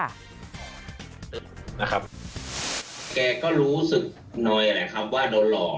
แกก็รู้สึกหน่อยแหละครับว่าโดนหลอก